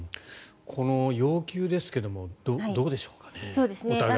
この要求ですがどうでしょうかね。